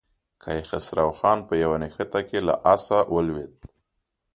کیخسرو خان په یوه نښته کې له آسه ولوېد.